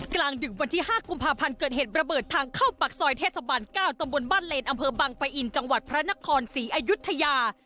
กลางดึกวันที่๕กุมภาพันธ์เกิดเหตุระเบิดทางเข้าปากซอยเทศบาล๙ตำบลบ้านเลนอำเภอบังปะอินจังหวัดพระนครศรีอายุทยา